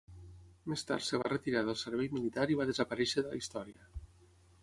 Més tard es va retirar del servei militar i va desaparèixer de la història.